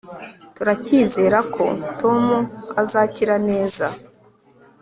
turacyizera ko tom azakira neza